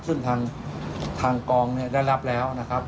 ซึ่งทางกองเนี่ยได้รับแล้วนะครับ